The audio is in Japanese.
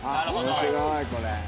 面白いこれ。